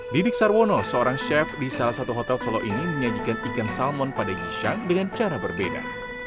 didik sarwono seorang chef di salah satu hotel solo ini menyajikan ikan salmon pada gisang dengan cara berbeda